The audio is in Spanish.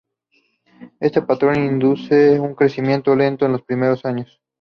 Este patrón induce a un crecimiento lento en los primeros años.